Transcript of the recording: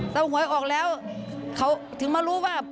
ถ้าหวยออกแล้วเขาถึงมารู้ว่า